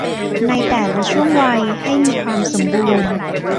ในแต่ละช่วงวัยให้มีความสมบูรณ์